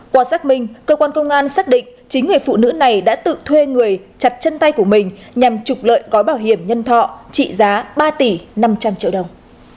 qua xác minh cơ quan công an xác định chính người phụ nữ này đã tự thuê người chặt chân tay của mình nhằm trục lợi gói bảo hiểm nhân thọ trị giá ba tỷ năm trăm linh triệu đồng